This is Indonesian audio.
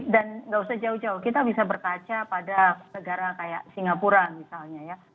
dan nggak usah jauh jauh kita bisa berkaca pada negara kayak singapura misalnya ya